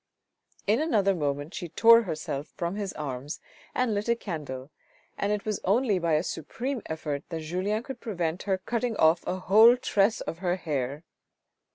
In another moment she tore herself from his arms, and lit a candle, and it was only by a supreme effort that Julien could prevent her from cutting off a whole tress of her hair.